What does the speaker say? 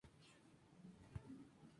Sin embargo, Jack Horner "et al.